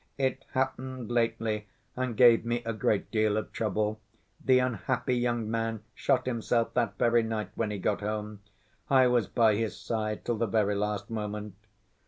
It happened lately and gave me a great deal of trouble. The unhappy young man shot himself that very night when he got home. I was by his side till the very last moment.